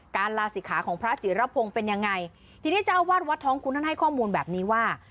ลาศิกขาของพระจิรพงศ์เป็นยังไงทีนี้เจ้าวาดวัดท้องคุณท่านให้ข้อมูลแบบนี้ว่า